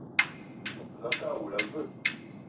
Angakë awula a veu?